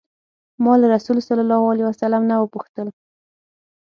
ما له رسول الله صلی الله علیه وسلم نه وپوښتل.